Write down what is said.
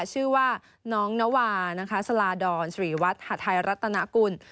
ชื่อว่าน้องนวารนะคะสลาดอนศรีวัตถ์ฮัตไทยรัตนากุล